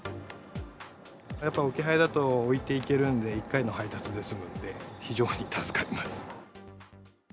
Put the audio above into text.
やっぱ置き配だと置いていけるんで、１回の配達で済むんで、非常に助かります。